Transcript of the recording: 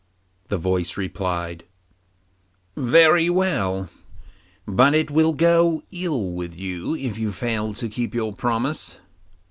The voice replied, 'Very well; but it will go ill with you if you fail to keep your promise.